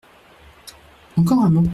Encore un mot.